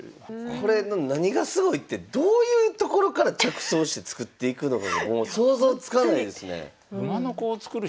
これの何がすごいってどういうところから着想して作っていくのかがもう想像つかないですね。